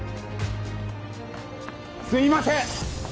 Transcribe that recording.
すいません！